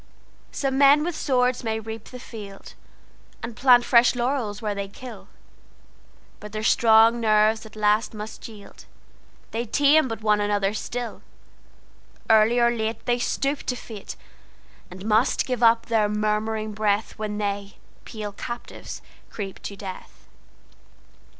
Some men with swords may reap the field, And plant fresh laurels where they kill; But their strong nerves at last must yield—They tame but one another still:Early or lateThey stoop to fate, And must give up their murmuring breathWhen they, pale captives, creep to death.